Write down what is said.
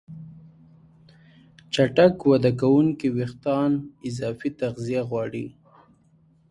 چټک وده کوونکي وېښتيان اضافي تغذیه غواړي.